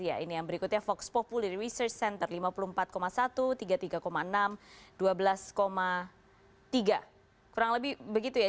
ya ini yang berikutnya fox populi research center lima puluh empat satu tiga puluh tiga enam dua belas tiga kurang lebih begitu ya